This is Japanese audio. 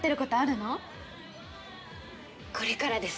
これからです